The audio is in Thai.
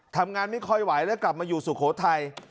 ทำงานไม่ค่อยไหวแล้วกลับมาอยู่สุโขทัย